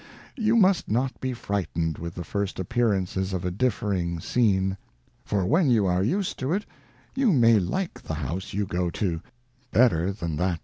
You must not be frighted with the first Appearances of a differing Scene ; for when you are used to it, you may like the House you go to, better than that you xxii INTRODUCTION.